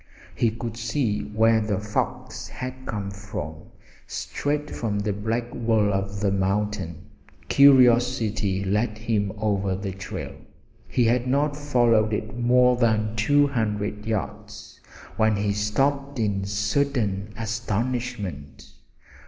He could see where the fox had come straight from the black wall of the mountain. Curiosity led him over the trail. He had not followed it more than two hundred yards when he stopped in sudden astonishment.